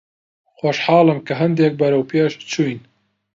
خۆشحاڵم کە هەندێک بەرەو پێش چووین.